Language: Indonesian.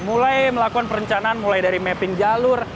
mulai melakukan perencanaan mulai dari mapping jalur